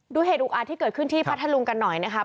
เหตุอุกอาจที่เกิดขึ้นที่พัทธลุงกันหน่อยนะครับ